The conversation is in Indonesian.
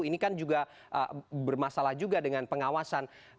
ini kan juga bermasalah juga dengan pengawasan